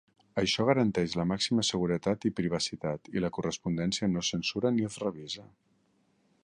Això garanteix la màxima seguretat i privacitat i la correspondència no es censura ni es revisa.